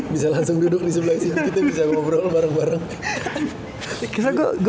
bisa langsung duduk di sebelah sini kita bisa ngobrol bareng bareng